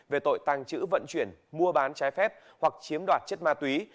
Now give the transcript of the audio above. về tội tàng trữ vận chuyển mua bán trái phép hoặc chiếm đoạt chất ma túy